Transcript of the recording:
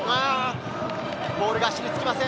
ボールが足につきません。